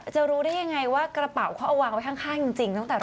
จะรู้ได้ยังไงว่ากระเป๋าเขาเอาวางไว้ข้างจริงตั้งแต่